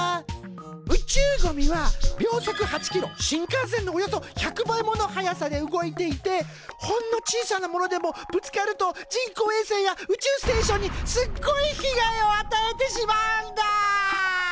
宇宙ゴミは秒速８キロ新幹線のおよそ１００倍もの速さで動いていてほんの小さなものでもぶつかると人工衛星や宇宙ステーションにすっごいひがいをあたえてしまうんだ！